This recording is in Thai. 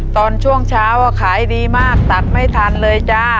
ตอนช่วงเช้าขายดีมากตัดไม่ทันเลยจ้า